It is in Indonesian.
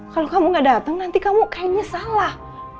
kalau kamu gak datang nanti kamu kayaknya salah